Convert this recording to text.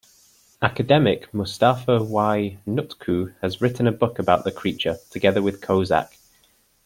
Academic Mustafa Y. Nutku has written a book about the creature, together with Kozak.